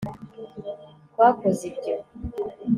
twakoze ibyo